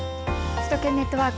首都圏ネットワーク。